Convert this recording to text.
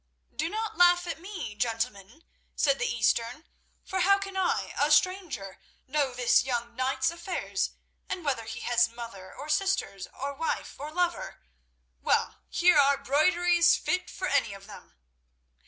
"Do not laugh at me, gentlemen," said the Eastern; "for how can I, a stranger, know this young knight's affairs, and whether he has mother, or sisters, or wife, or lover? Well here are broideries fit for any of them."